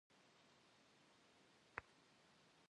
Gazêt dene zdaşer?